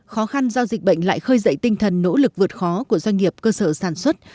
khó khăn do dịch bệnh lại khơi dậy tinh thần nỗ lực vượt khó của doanh nghiệp cơ sở sản xuất